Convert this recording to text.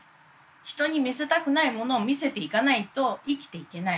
人に見せたくないものを見せていかないと生きていけない。